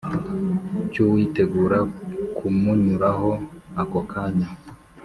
cy'uwitegura kumunyuraho ako kanya.